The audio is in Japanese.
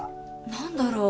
何だろう？